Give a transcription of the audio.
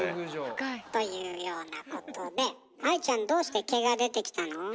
深い。というようなことで愛ちゃんどうして毛が出てきたの？